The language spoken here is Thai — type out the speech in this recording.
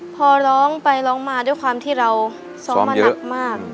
พอร้องไปร้องมาด้วยความที่เราซ้อมมาหนักมาก